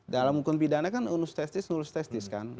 dalam hukuman pidana kan unus testis unus testis kan